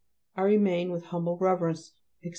I remain, with humble reverence, etc.